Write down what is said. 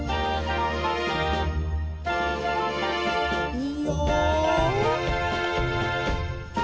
いいよ。